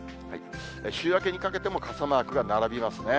週明けにかけても傘マークが並びますね。